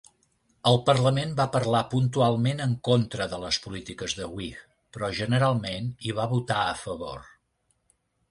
Al parlament va parlar puntualment en contra de les polítiques de Whig, però generalment hi va votar a favor.